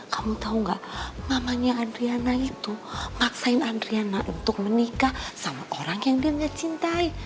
kamu tahu nggak mamanya adriana itu maksain adriana untuk menikah sama orang yang dia nggak cintai